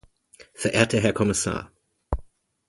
Verehrter Herr Kommissar!